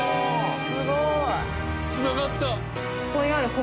すごい！繋がった。